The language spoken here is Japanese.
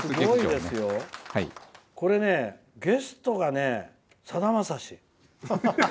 これはゲストが、さだまさし。